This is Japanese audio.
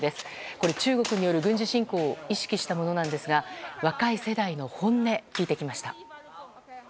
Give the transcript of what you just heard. これ、中国による軍事侵攻を意識したものなんですが若い世代の本音、聞いてきました。